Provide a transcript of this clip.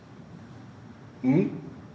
うん？